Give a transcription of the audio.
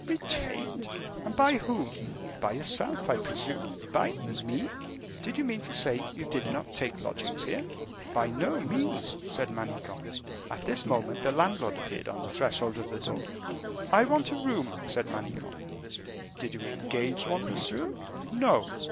"Retained and by whom?" "By yourself, I presume." "By me?" "Do you mean to say you did not take lodgings here?" "By no means," said Manicamp. At this moment the landlord appeared on the threshold of the door. "I want a room," said Manicamp. "Did you engage one, monsieur?" "No."